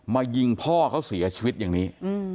ยิงพ่อเขาเสียชีวิตอย่างนี้